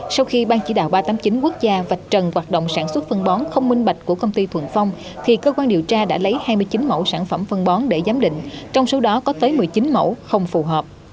sau khi ban chỉ đạo ba trăm tám mươi chín quốc gia vạch trần hoạt động sản xuất phân bón không minh bạch của công ty thuận phong thì cơ quan điều tra đã lấy hai mươi chín mẫu sản phẩm phân bón để giám định trong số đó có tới một mươi chín mẫu không phù hợp